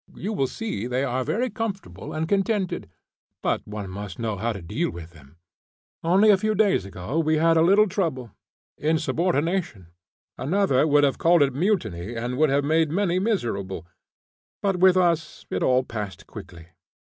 You will see they are very comfortable and contented. But one must know how to deal with them. Only a few days ago we had a little trouble insubordination; another would have called it mutiny, and would have made many miserable, but with us it all passed quietly.